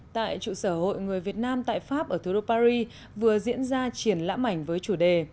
tại trụ sở hội người việt nam tại pháp ở thủ đô paris vừa diễn ra triển lãm ảnh với chủ đề